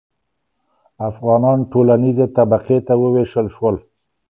افغانان ټولنیزې طبقې ته وویشل شول.